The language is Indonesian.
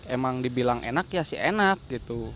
emang dibilang enak ya sih enak gitu